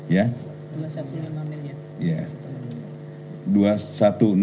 iya bapak rp dua delapan belas triliun